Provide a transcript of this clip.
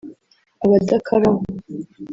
abadakaraba